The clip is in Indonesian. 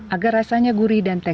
agar rasanya gurih dan teh